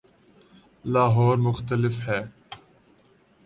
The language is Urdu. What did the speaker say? لاہور مختلف ہے۔